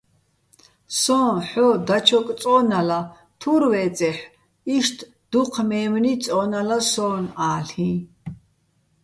სო́ჼ ჰ̦ო დაჩოკ წო́ნალა, თურ ვე́წეჰ̦ო̆, იშტ დუჴ მე́მნი წო́ნალა სო́ნ-ა́ლ'იჼ.